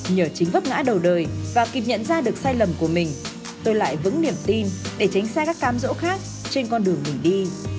nhờ chính vấp ngã đầu đời và kịp nhận ra được sai lầm của mình tôi lại vững niềm tin để tránh xa các cam dỗ khác trên con đường mình đi